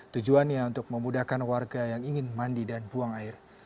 tujuannya untuk memudahkan warga yang ingin mandi dan buang air